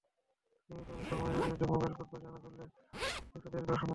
নিয়মিতভাবে ফরমালিনের বিরুদ্ধে mobile court পরিচালনা করলে ফরমালিনমুক্ত দেশ গড়া সম্ভব হবে।